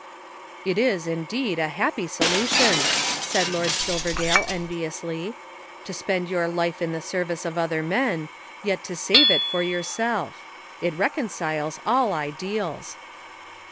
"It is, indeed, a happy solution," said Lord Silverdale enviously. "To spend your life in the service of other men, yet to save it for yourself! It reconciles all ideals."